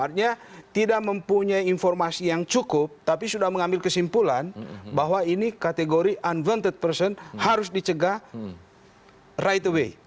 artinya tidak mempunyai informasi yang cukup tapi sudah mengambil kesimpulan bahwa ini kategori unvented person harus dicegah right away